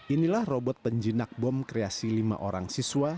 inilah robot penjinak bom kreasi lima orang siswa